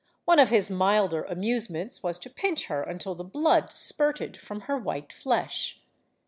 One of his milder amusements was to pinch her until the blood spurted from her white flesh.